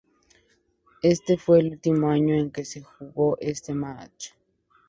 Este fue el último año en que se jugó este match.